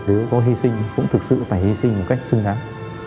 nếu có hy sinh cũng thực sự phải hy sinh một cách xứng đáng